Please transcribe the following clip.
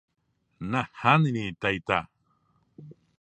Nahániri taita